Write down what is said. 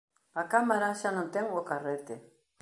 A cámara xa non ten o carrete.